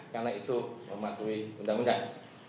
karena itu mematuhi undang undang